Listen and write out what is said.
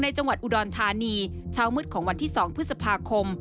จังหวัดอุดรธานีเช้ามืดของวันที่๒พฤษภาคม